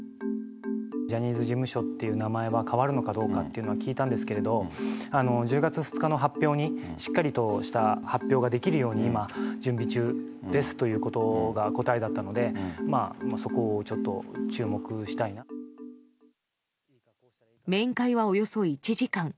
ジャニーズ事務所っていう名前は変わるのかどうかっていうのは聞いたんですけれど、１０月２日の発表に、しっかりとした発表ができるように今、準備中ですということが答えだったので、まあ、そこをちょっと、面会はおよそ１時間。